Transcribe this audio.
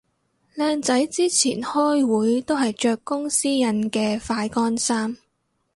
靚仔之前開會都係着公司印嘅快乾衫